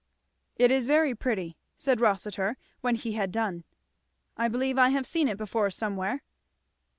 "It is very pretty," said Rossitur when he had done. "I believe I have seen it before somewhere."